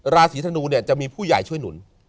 ราศีธนูเนี่ยจะมีผู้ใหญ่ช่วยหนุน